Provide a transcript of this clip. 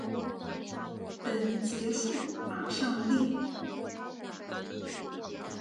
等结束马上订